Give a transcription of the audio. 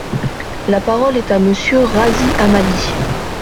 La parole est à Monsieur Razzy Hammadi.